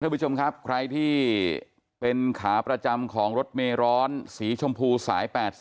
คุณผู้ชมครับใครที่เป็นขาประจำของรถเมร้อนสีชมพูสาย๘๐